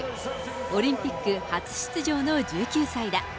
オリンピック初出場の１９歳だ。